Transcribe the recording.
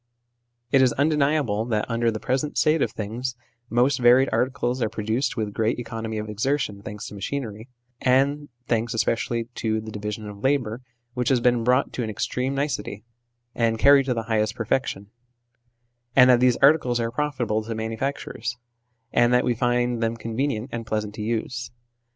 It is undeniable that under the present state of things most varied articles are produced with great economy of exertion, thanks to machinery, and thanks especially to the division of labour which has been brought to an extreme nicety 54 THE SLAVERY OF OUR TIMES and carried to the highest perfection ; and that these articles are profitable to the manufacturers, and that we find them convenient and pleasant to use.